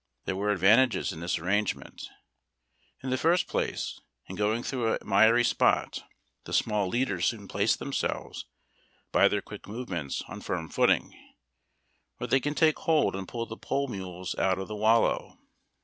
There were advantages in this arrangement ; in the first place, in going through a miry spot the small leaders soon place themselves, by their quick movements, on firm footing, where they can take hoM and pull the pole mules out of the wallow.